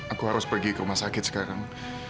aku harus pergi ke rumah sakit sekarang